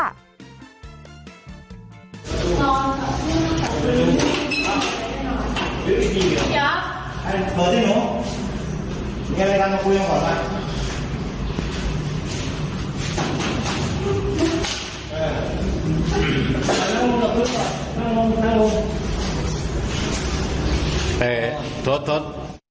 นิกันได้ไหมยารปุ๊ก